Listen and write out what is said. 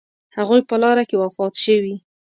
هغوی په لاره کې وفات شوي.